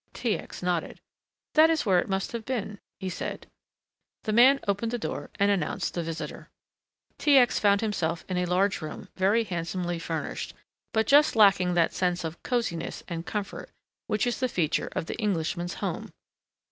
T. X. nodded. "That is where it must have been," he said. The man opened the door and announced the visitor. T. X. found himself in a large room, very handsomely furnished, but just lacking that sense of cosiness and comfort which is the feature of the Englishman's home.